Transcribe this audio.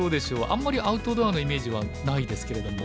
あんまりアウトドアなイメージはないですけれども。